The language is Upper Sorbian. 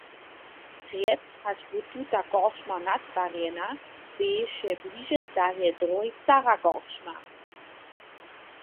Prjedy hač bu tuta korčma natwarjena, steješe bliže stareje dróhi stara korčma.